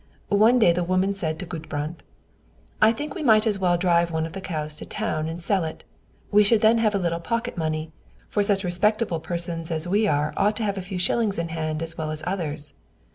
One day the woman said to Gudbrand: "I think we might as well drive one of the cows to town, and sell it; we should then have a little pocket money: for such respectable persons as we are ought to have a few shillings in hand as well as others.